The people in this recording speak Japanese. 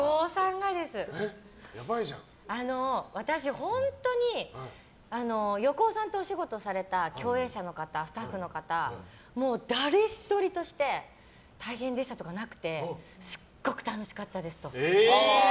私、本当に横尾さんとお仕事された共演者の方、スタッフの方誰１人として大変でしたとかなくてすっごく楽しかったですと。